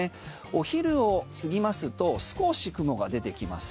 お昼を過ぎますと少し雲が出てきます。